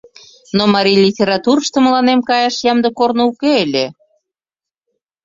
Но марий литературышто мыланем каяш ямде корно уке ыле.